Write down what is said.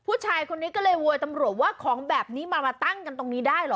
ผู้ชายคนนี้ก็เลยโวยตำรวจว่าของแบบนี้มามาตั้งกันตรงนี้ได้เหรอ